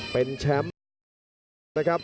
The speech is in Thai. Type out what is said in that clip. เป็นแชมป์